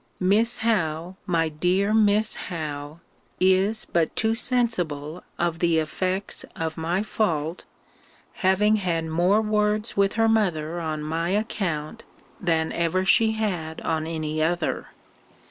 Miss Howe, my dear Miss Howe, is but too sensible of the effects of my fault, having had more words with her mother on my account, than ever she had on any other.